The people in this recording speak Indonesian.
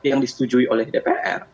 yang disetujui oleh dpr